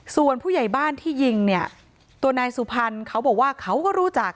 ส่วนผู้ใหญ่บ้านที่ยิงเนี่ยตัวนายสุพรรณเขาบอกว่าเขาก็รู้จัก